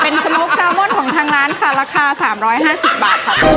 เป็นสมุกซามอนของทางร้านค่ะราคา๓๕๐บาทค่ะ